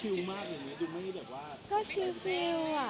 แต่ดูกี้ชิลมากอย่างนี้ดูไม่ได้แบบว่า